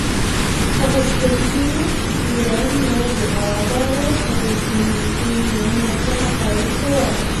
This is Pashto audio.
که غوښتونکی یې نو دعا غواړه؛ که ورکونکی یې نو صدقه ورکوه